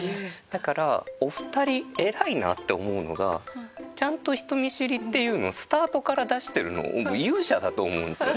だからお二人偉いなって思うのがちゃんと人見知りっていうのをスタートから出してるのもう勇者だと思うんですよね。